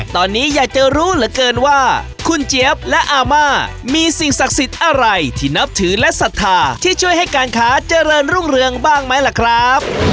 ตอนนี้อยากจะรู้เหลือเกินว่าคุณเจี๊ยบและอาม่ามีสิ่งศักดิ์สิทธิ์อะไรที่นับถือและศรัทธาที่ช่วยให้การค้าเจริญรุ่งเรืองบ้างไหมล่ะครับ